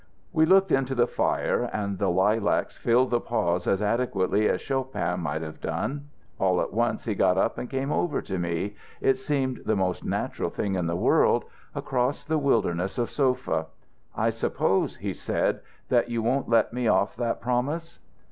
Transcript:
"'We looked into the fire and the lilacs filled the pause as adequately as Chopin could have done. All at once he got up and came over to me it seemed the most natural thing in the world across that wilderness of sofa. "'I suppose,' he said, 'that you won't let me off that promise.'